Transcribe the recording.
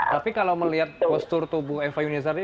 tapi kalau melihat postur tubuh eva yuniz ardi